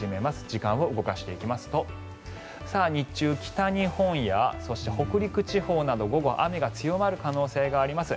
時間を動かしていきますと日中、北日本やそして北陸地方など午後、雨が強まる可能性があります。